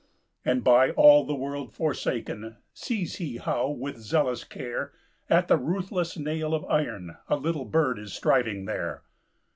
And by all the world forsaken, Sees he how with zealous care At the ruthless nail of iron A little bird is striving there.